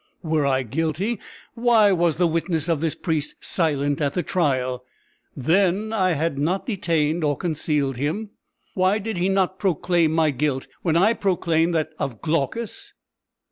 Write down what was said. Were I guilty, why was the witness of this priest silent at the trial? then I had not detained or concealed him. Why did he not proclaim my guilt when I proclaimed that of Glaucus?